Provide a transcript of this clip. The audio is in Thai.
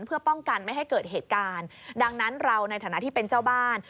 เพื่อป้องกันไม่ให้เกิดเหตุการณ์ดังนั้นเราในฐานะที่เป็นเจ้าบ้าน